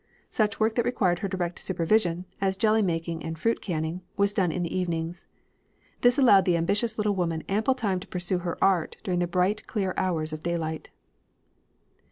Such work that required her direct supervision, as jelly making and fruit canning, was done in the evenings. This allowed the ambitious little woman ample time to pursue her art during the bright clear hours of daylight.